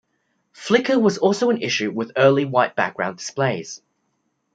Flicker was also an issue with early white-background displays.